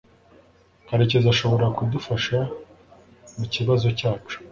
Karekezi ashobora kudufasha mukibazo cyacu